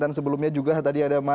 dan sebelumnya juga tadi ada mas